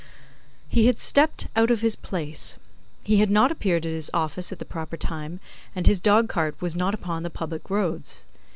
He had stepped out of his place; he had not appeared at his office at the proper time, and his dogcart was not upon the public roads.